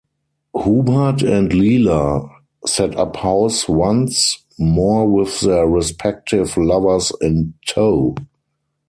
Hubert and Leila set up house once more with their respective lovers in tow.